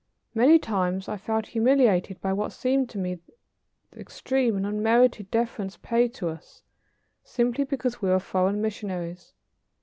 Many times I felt humiliated by what seemed to me the extreme and unmerited deference paid to us, simply because we were foreign missionaries.